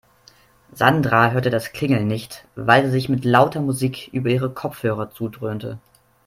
Sandra hörte das Klingeln nicht, weil sie sich mit lauter Musik über ihre Kopfhörer zudröhnte.